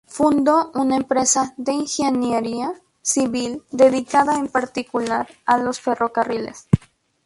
Fundó una empresa de ingeniería civil, dedicada en particular a los ferrocarriles.